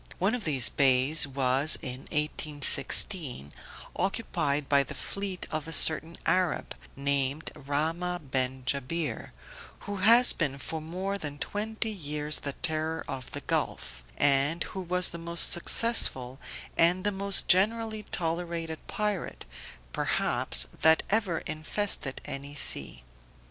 One of these bays was in 1816, occupied by the fleet of a certain Arab, named Rahmah ben Jabir, who has been for more than twenty years the terror of the gulf, and who was the most successful and the most generally tolerated pirate, perhaps, that ever infested any sea.